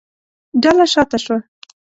ډله شا ته شوه.